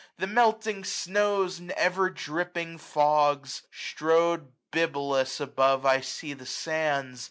The melting snows, and ever dripping fogs. 810 Strow'd bibulous above I see the sands.